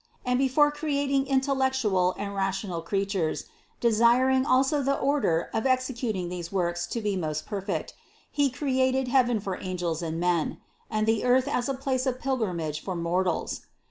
And before creating intellectual and ra tional creatures, desiring also the order of executing these works to be most perfect, He created heaven for angels and men; and the earth as a place of pilgrimage for mortals.